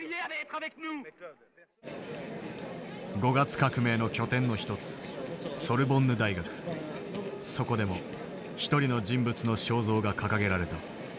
５月革命の拠点の一つそこでも一人の人物の肖像が掲げられた。